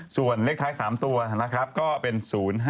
ส่วนเลขท้าย๓ตัวนะครับก็เป็น๐๕๔๐๗๖นะครับ